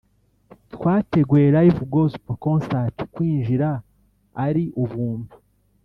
twateguye live gospel concert kwinjira ari ubuntu